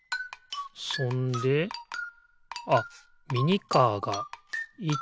そんであっミニカーが１２３こ。